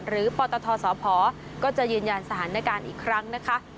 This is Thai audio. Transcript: ปตทสพก็จะยืนยันสถานการณ์อีกครั้งนะคะ